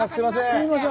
すいません。